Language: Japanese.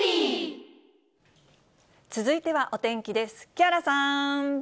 続いてはお天気です。